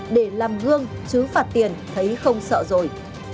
để làm gương chứ phạt tiền thấy không sợ rồi